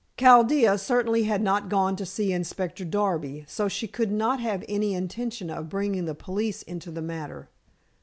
Chaldea certainly had not gone to see Inspector Darby, so she could not have any intention of bringing the police into the matter.